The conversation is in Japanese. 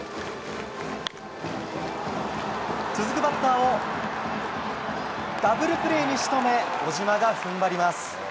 続くバッターをダブルプレーに仕留め小島が踏ん張ります。